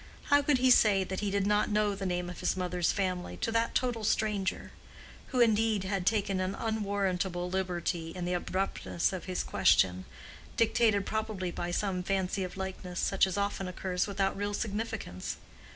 How could he say that he did not know the name of his mother's family to that total stranger?—who indeed had taken an unwarrantable liberty in the abruptness of his question, dictated probably by some fancy of likeness such as often occurs without real significance.